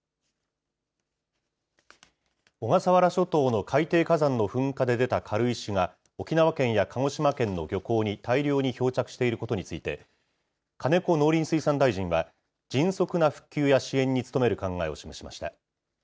小笠原諸島の海底火山の噴火で出た軽石が沖縄県や鹿児島県の漁港に大量に漂着していることについて、金子農林水産大臣は、迅速な復旧や支援に努める考えを示しました。